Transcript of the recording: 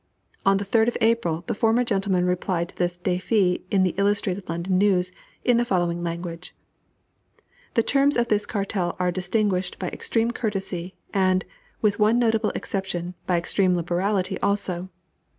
On the 3d of April the former gentleman replied to this defi in the Illustrated London News, in the following language: "The terms of this cartel are distinguished by extreme courtesy, and, with one notable exception, by extreme liberality also.